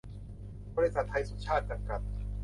บริษัท ไทยสุชาต จำกัด